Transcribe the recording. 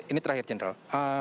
ini terakhir general